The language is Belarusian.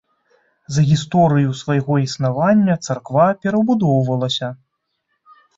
За гісторыю свайго існавання царква перабудоўвалася.